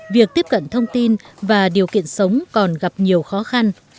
việc tiếp cận thông tin và điều kiện sống còn gặp nhiều khó khăn